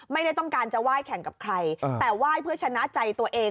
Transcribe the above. ไม่ได้ต้องการจะไหว้แข่งกับใครแต่ไหว้เพื่อชนะใจตัวเอง